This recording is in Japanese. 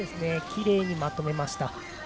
きれいにまとめました。